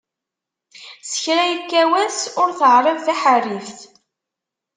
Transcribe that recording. S kra yekka wass ur teɛriḍ taḥerrift.